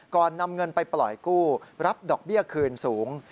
นำเงินไปปล่อยกู้รับดอกเบี้ยคืนสูง